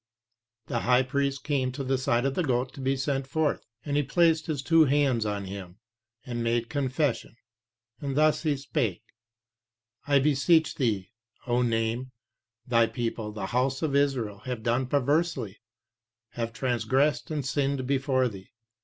The high priest came to the side of the goat to be sent forth, and he placed his two hands 2 on him and made confession, and thus he spake: "I beseech Thee, O Name, Thy people, the house of Israel, have done perversely, have transgressed and sinned before Thee.